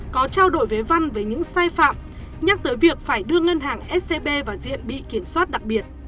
có trao đổi với văn về những sai phạm nhắc tới việc phải đưa ngân hàng scb vào diện bị kiểm soát đặc biệt